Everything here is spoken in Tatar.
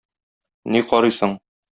Ни карыйсың?